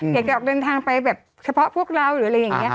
อยากจะออกเดินทางไปแบบเฉพาะพวกเราหรืออะไรอย่างนี้ค่ะ